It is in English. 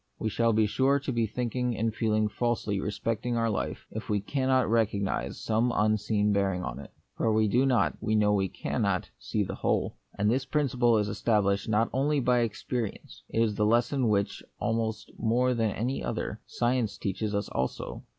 We shall be sure to be thinking and feeling falsely respecting our life, if we cannot recognise some unseen bearing of it. For we do not, we know we cannot, see the whole. And this principle is established not only by experience; it is the lesson which, almost more than any other, science teaches us also.